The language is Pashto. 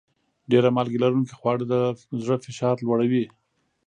ډېر مالګه لرونکي خواړه د زړه فشار لوړوي.